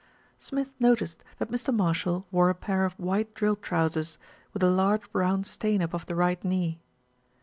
Smith noticed that Mr. Marshall wore a pair of white drill trousers, with a large brown stain above the right knee.